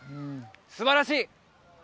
すばらしい！